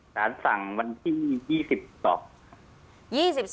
สารสั่งวันที่๒ต่อ